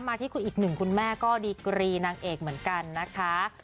ที่คุณอีกหนึ่งคุณแม่ก็ดีกรีนางเอกเหมือนกันนะคะ